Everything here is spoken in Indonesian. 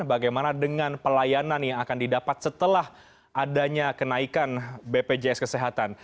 bagaimana dengan pelayanan yang akan didapat setelah adanya kenaikan bpjs kesehatan